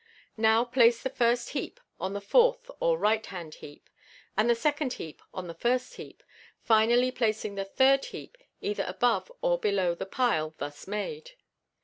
Now place the first heap on the fourth or right hand heap, and the second heap on the rii>L heap, finally placing the third heap either above or below the pile thus made.